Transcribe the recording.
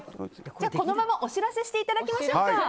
じゃあこのままお知らせしていただきましょうか。